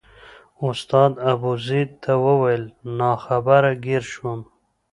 استاد ابوزید ته وویل ناخبره ګیر شوم.